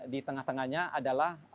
di tengah tengahnya adalah